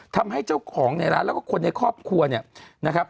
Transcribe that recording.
ทำให้เจ้าของในร้านแล้วก็คนในครอบครัวเนี่ยนะครับ